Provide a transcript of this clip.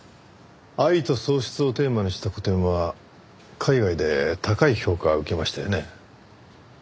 「愛と喪失」をテーマにした個展は海外で高い評価を受けましたよね。